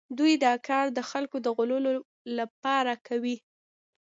دوی دا کار د خلکو د غولولو لپاره کوي